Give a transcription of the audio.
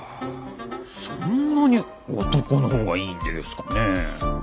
そんなに男のほうがいいんでげすかね？